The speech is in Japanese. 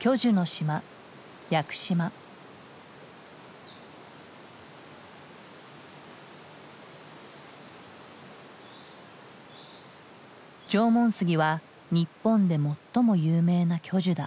縄文杉は日本で最も有名な巨樹だ。